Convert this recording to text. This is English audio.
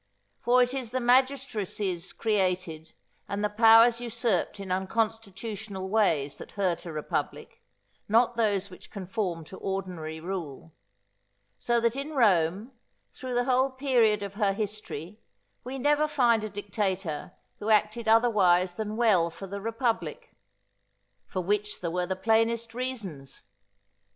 For it is the magistracies created and the powers usurped in unconstitutional ways that hurt a republic, not those which conform to ordinary rule; so that in Rome, through the whole period of her history, we never find a dictator who acted otherwise than well for the republic. For which there were the plainest reasons.